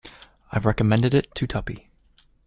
I've recommended it to Tuppy.